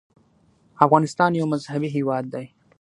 افغانستان یو مذهبي هېواد دی.